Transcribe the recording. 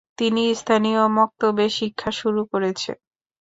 তিনি স্থানীয় মক্তবে শিক্ষা শুরু করেছেন।